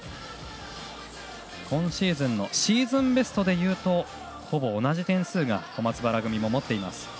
今シーズンのシーズンベストでいうとほぼ同じ点数を小松原組も持っています。